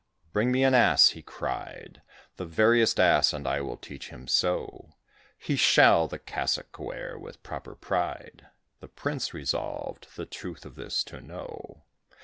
Bring me an ass," he cried, "The veriest ass, and I will teach him so, He shall the cassock wear with proper pride." The Prince resolved the truth of this to know.